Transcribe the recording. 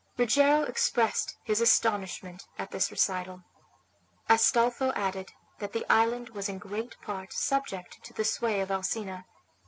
Rogero expressed his astonishment at this recital. Astolpho added that the island was in great part subject to the sway of Alcina.